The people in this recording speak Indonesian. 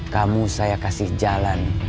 kamu saya kasih jalan